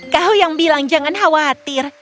kau yang bilang jangan khawatir